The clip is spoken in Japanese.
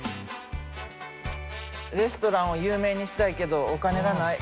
レストランを有名にしたいけどお金がない。